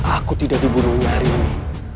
aku tidak dibunuhnya hari ini